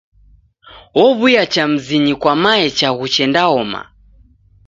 Ow'uya cha mzinyi kwa mae chaghu chendaoma.